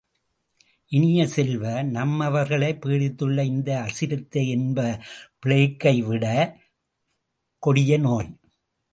இனிய செல்வ, நம்மவர்களைப் பீடித்துள்ள இந்த அசிரத்தை என்பது பிளேக் கை விடக் கொடிய நோய்!